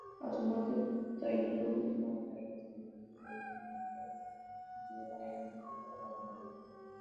A su muerte estalló una guerra civil que debilitó considerablemente a la monarquía.